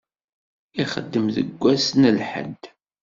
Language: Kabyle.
Ixeddem deg wass n lḥedd.